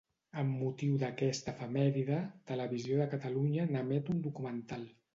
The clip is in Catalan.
Amb motiu d'aquesta efemèride, Televisió de Catalunya n'emet un documental.